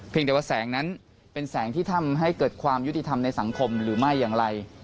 แต่ว่าแสงนั้นเป็นแสงที่ทำให้เกิดความยุติธรรมในสังคมหรือไม่อย่างไร